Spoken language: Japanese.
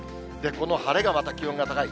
この晴れがまた気温が高い。